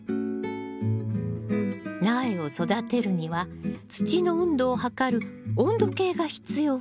苗を育てるには土の温度を測る温度計が必要ね。